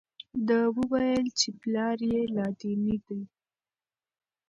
ده وویل چې پلار یې لادیني دی.